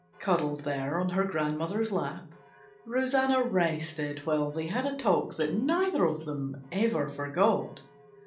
Cuddled there on her grandmother's lap, Rosanna rested while they had a talk that neither of them ever forgot.